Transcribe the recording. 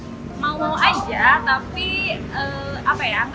jadi ya seiring berjalannya waktu aja bakal jadi kayak obrolan santai gitu sih